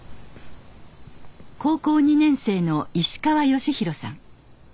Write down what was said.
高校２年生の石川喜寛さん。